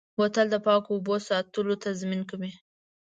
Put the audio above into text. بوتل د پاکو موادو ساتلو تضمین کوي.